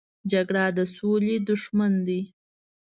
جګړه د سولې دښمن دی